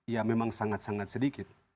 ya memang sangat sangat sedikit